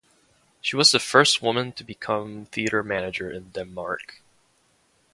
She was the first woman to become theatre manager in Denmark.